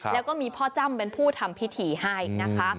แล้วก็มีพ่อจ้ำเป็นผู้ทำพิธีให้นะคะ